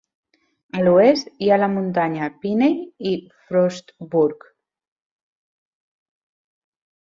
A l'oest hi ha la muntanya Piney i Frostburg.